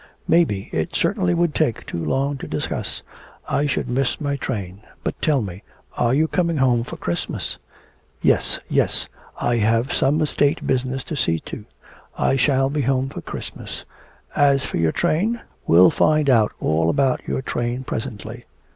'Maybe, it certainly would take too long to discuss I should miss my train. But tell me, are you coming home for Christmas?' 'Yes, yes; I have some estate business to see to. I shall be home for Christmas. As for your train ... will find out all about your train presently...